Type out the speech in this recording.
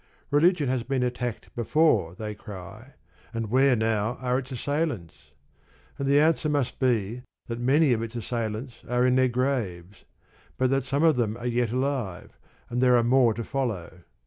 Religion has been attacked before, they cry, and where now are its assailants? And the answer must be, that many of its assailants are in their graves, but that some of them are yet alive, and there are more to follow.